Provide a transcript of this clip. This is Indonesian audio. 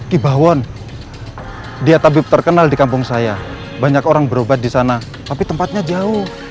kibawon dia tabib terkenal di kampung saya banyak orang berobat di sana tapi tempatnya jauh